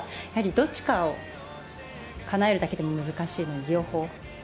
やはりどっちかをかなえるだけでも難しいのに両方。